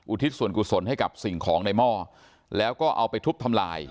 ทิศส่วนกุศลให้กับสิ่งของในหม้อแล้วก็เอาไปทุบทำลาย